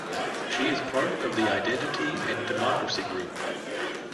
She is part of the Identity and Democracy group.